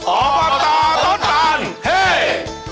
ออกมาต่อต้นตานเฮ้ย